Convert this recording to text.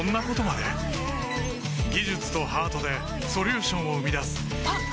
技術とハートでソリューションを生み出すあっ！